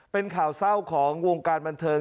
เป็นข่าวเศร้าของวงการบันเทิง